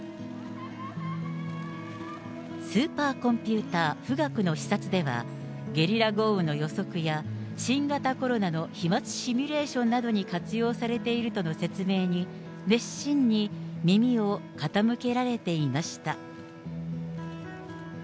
スーパーコンピューター富岳の視察では、ゲリラ豪雨の予測や新型コロナの飛まつシミュレーションなどに活用されているとの説明に、熱心に耳を傾けられていました。